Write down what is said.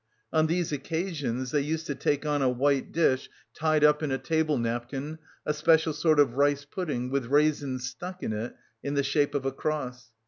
On these occasions they used to take on a white dish tied up in a table napkin a special sort of rice pudding with raisins stuck in it in the shape of a cross.